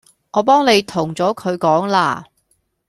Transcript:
我幫你同咗佢講啦